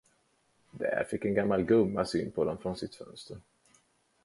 Där fick en gammal gumma syn på dem från sitt fönster.